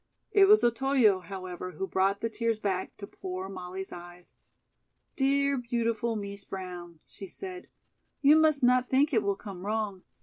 It was Otoyo, however, who brought the tears back to poor Molly's eyes. "Dear, beautiful Mees Brown," she said. "You must not think it will come wrong.